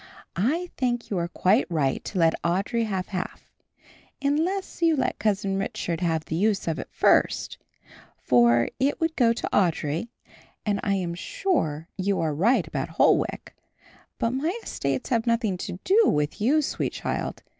"I think you are quite right to let Audry have half, unless you let Cousin Richard have the use of it first, for it would go to Audry, and I am sure you are right about Holwick; but my estates have nothing to do with you, sweet child.